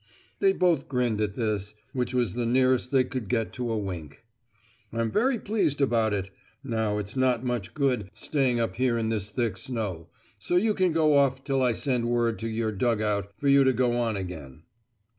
(They both grinned at this, which was the nearest they could get to a wink.) "I'm very pleased about it. Now it's not much good staying up here in this thick snow, so you can go off till I send word to your dug out for you to go on again."